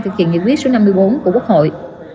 thực hiện nhiệm vụ số năm mươi bốn của quốc hội